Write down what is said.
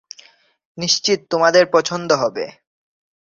নিশ্চিত তোমাদের পছন্দ হবে।